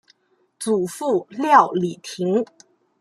祖父廖礼庭。